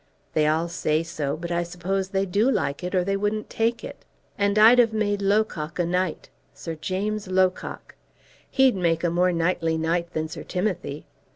"They all say so, but I suppose they do like it, or they wouldn't take it. And I'd have made Locock a knight; Sir James Locock. He'd make a more knightly knight than Sir Timothy.